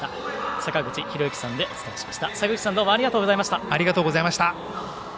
坂口さんどうもありがとうございました。